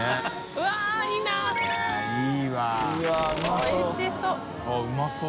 おいしそう！